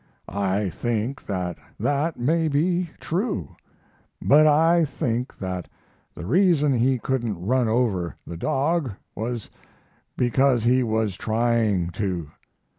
I think that that may be true; but I think that the reason he couldn't run over the dog was because he was trying to.